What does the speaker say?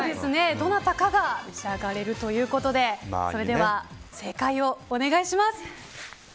どなたかが召し上がれるということでそれでは、正解をお願いします。